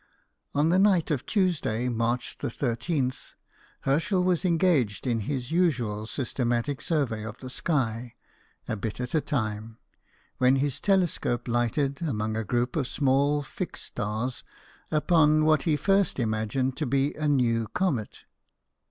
On the night of Tuesday, March I3th, Herschel was engaged in his usual systematic survey of the sky, a bit at a time, when his telescope lighted among a group of small fixed stars upon what he at first imagined to be a new comet.